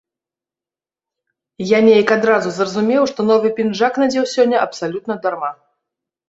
Я неяк адразу зразумеў, што новы пінжак надзеў сёння абсалютна дарма.